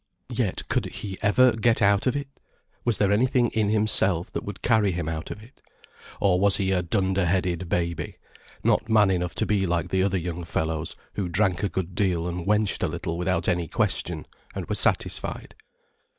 Yet could he ever get out of it? Was there anything in himself that would carry him out of it? Or was he a dunderheaded baby, not man enough to be like the other young fellows who drank a good deal and wenched a little without any question, and were satisfied.